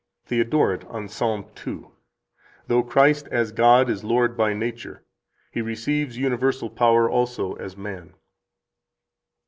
56 THEODORET, on Ps. 2 (t. 1, p. 242): "Though Christ as God is Lord by nature, He receives universal power also as man.